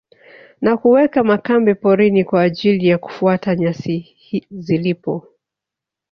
Na kuweka makambi porini kwa ajili ya kufuata nyasi zilipo